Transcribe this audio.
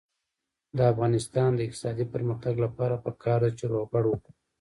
د افغانستان د اقتصادي پرمختګ لپاره پکار ده چې روغبړ وکړو.